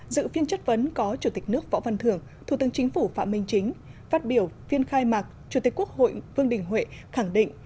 dự phiên chất vấn có chủ tịch nước võ văn thưởng thủ tướng chính phủ phạm minh chính phát biểu phiên khai mạc chủ tịch quốc hội vương đình huệ khẳng định